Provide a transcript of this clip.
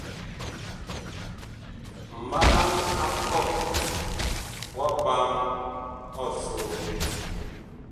Mɓalaŋ a kɔh wa pam ɔsoo.